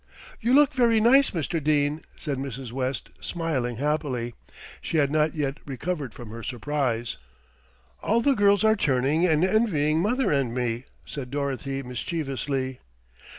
"You look very nice, Mr. Dene," said Mrs. West, smiling happily. She had not yet recovered from her surprise. "All the girls are turning and envying mother and me," said Dorothy mischievously.